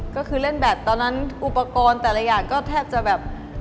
ก็คือเล่นแบตตอนนั้นอุปกรณ์แต่ละอย่างก็แทบจะแบบ